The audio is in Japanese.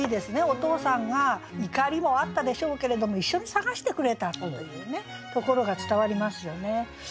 お父さんが怒りもあったでしょうけれども一緒に探してくれたというところが伝わりますよね。